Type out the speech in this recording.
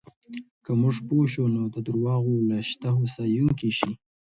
که موږ پوه شو، نو د درواغو له شته هوسایونکی شي.